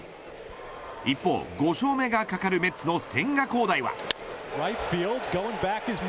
一方、５勝目がかかるメッツの千賀滉大は。